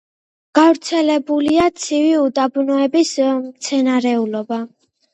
გავრცელებულია ცივი უდაბნოების მცენარეულობა.